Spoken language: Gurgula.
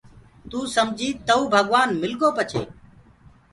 توٚ سمجيٚ تئو ڀگوآن مِلگو پڇي